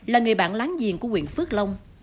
là người bạn láng giềng của quyện phước long